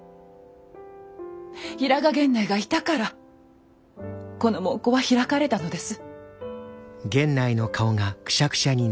平賀源内がいたからこの門戸は開かれたのです。